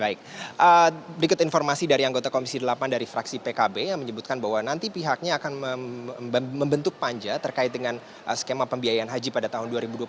baik berikut informasi dari anggota komisi delapan dari fraksi pkb yang menyebutkan bahwa nanti pihaknya akan membentuk panja terkait dengan skema pembiayaan haji pada tahun dua ribu dua puluh satu